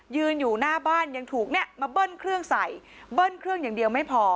ยืนอยู่หน้าบ้านยังถูกเนี่ยมาเบิ้ลเครื่องใส่เบิ้ลเครื่องอย่างเดียวไม่พอ